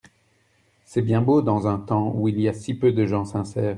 C'est bien beau dans un temps où il y a si peu de gens sincères.